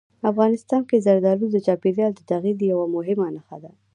افغانستان کې زردالو د چاپېریال د تغیر یوه مهمه نښه ده.